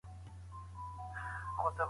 ناڅاپه غوسه د ټولنیز چاپېریال سره تړاو لري.